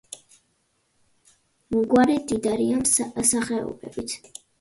გვარი მდიდარია სახეობებით.